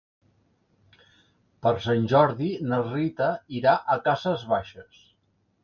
Per Sant Jordi na Rita irà a Cases Baixes.